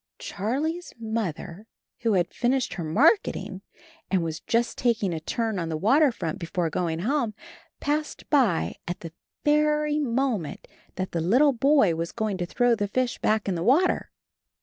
Charlie's mother, who had finished her marketing, and was just taking a turn on the water front before going home, passed by at the very moment that the boy was go ing to throw the fish back in the water.